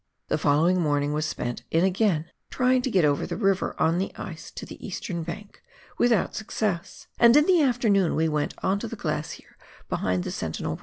The following morning was spent in again trying to get over the river on the ice to the eastern bank, without success, and in the afternoon we went on to the glacier behind the Sentinel E.